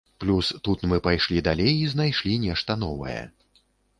Плюс, тут мы пайшлі далей і знайшлі нешта новае.